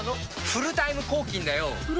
フルタイム抗菌？